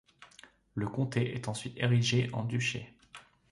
Le comté est ensuite érigé en duché.